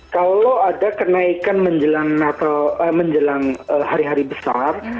kalau ada kenaikan menjelang hari hari besar